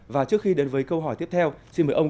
và trước khi đến với câu hỏi tiếp theo xin mời ông